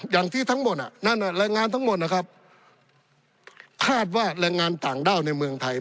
อย่างที่ทั้งหมดนั่นแรงงานทั้งหมดนะครับคาดว่าแรงงานต่างด้าวในเมืองไทย